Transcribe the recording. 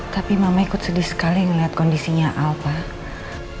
tapi mama ikut sedih sekali melihat kondisinya al pak